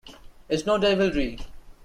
It's no devilry.